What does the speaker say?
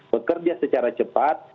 bekerja secara cepat